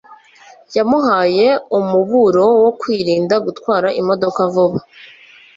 Yamuhaye umuburo wo kwirinda gutwara imodoka vuba.